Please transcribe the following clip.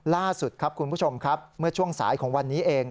ล่าสุดครับคุณผู้ชมครับเมื่อช่วงสายของวันนี้เอง